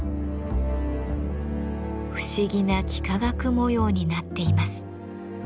不思議な幾何学模様になっています。